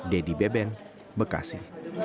dedy beben bekasi